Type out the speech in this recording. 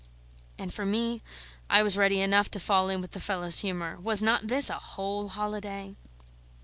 And for me, I was ready enough to fall in with the fellow's humour; was not this a whole holiday?